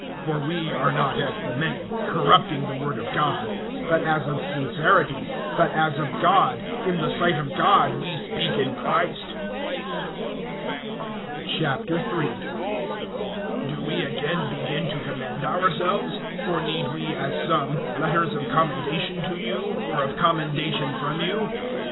(17)For we are not as the many, corrupting the word of God; but as of sincerity, but as of God, in the sight of God we speak in Christ. III. DO we again begin to commend ourselves? Or need we, as some, letters of commendation to you, or of commendation from you?